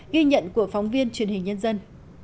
ghi nhận của phóng viên truyền hình nhân dân